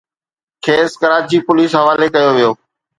کيس ڪراچي پوليس حوالي ڪيو ويو